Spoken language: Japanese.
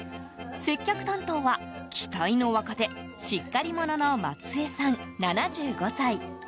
接客担当は、期待の若手しっかり者の松江さん、７５歳。